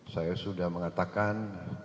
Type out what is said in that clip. saya sudah mengatakan